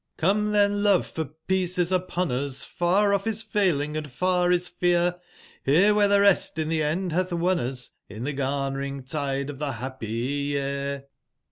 Come tben, love, for peace is upon us, far off is failing, and far is fear, here wbere tbe rest in tbe end batb won us, ,ln tbe garnering tide of tbe bappy year.